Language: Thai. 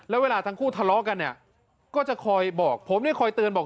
แล้วเวลาทั้งคู่ทะเลาะกันเนี่ยก็จะคอยบอกผมเนี่ยคอยเตือนบอก